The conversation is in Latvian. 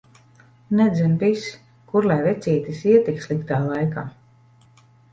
Nedzen vis! Kur lai vecītis iet tik sliktā laika.